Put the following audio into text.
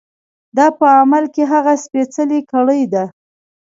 دا په عمل کې هغه سپېڅلې کړۍ ده.